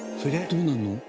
どうなるの？